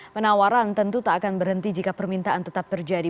penawaran tentu tak akan berhenti jika permintaan tetap terjadi